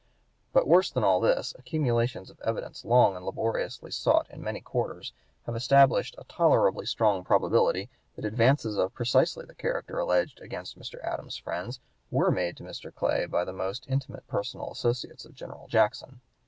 But worse than all this, accumulations of evidence long and laboriously sought in many quarters have established a tolerably strong probability that advances of precisely the character alleged against Mr. Adams's friends were made to Mr. Clay by the most intimate personal associates of General Jackson.